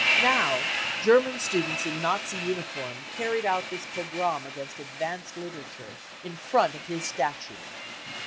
Now German students in Nazi uniform carried out this pogrom against advanced literature, in front of his statue.